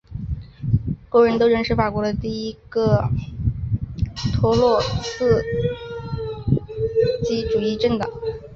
工人斗争是法国的一个托洛茨基主义政党。